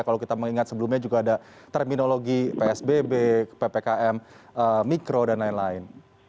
kalau kita mengingat sebelumnya juga ada terminologi psbb ppkm mikro dan lain lain